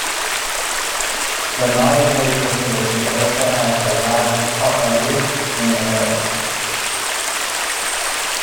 The Murray Hill facility also has the largest copper-roof in the world.